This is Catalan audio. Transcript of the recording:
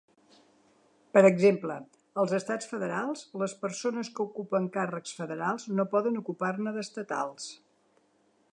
Per exemple, als estats federals, les persones que ocupen càrrecs federals no poden ocupar-ne d'estatals.